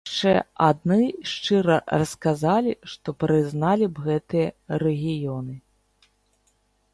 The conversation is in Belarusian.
Яшчэ адны шчыра расказалі, што прызналі б гэтыя рэгіёны.